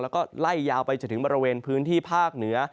แล้วก็ไล่ยาวไปจนถึงบริเวณพื้นที่ภาคเหนือ